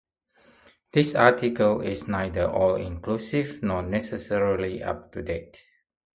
This article is neither all-inclusive nor necessarily up-to-date.